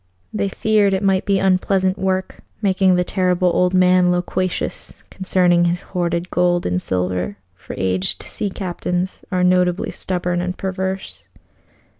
They feared it might be unpleasant work making the Terrible Old Man loquacious concerning his hoarded gold and silver, for aged sea captains are notably stubborn and perverse.